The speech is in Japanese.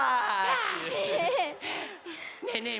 ねえねえ